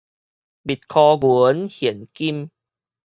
密箍銀現金